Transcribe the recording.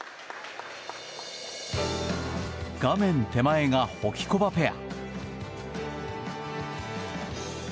画面手前がホキコバペア。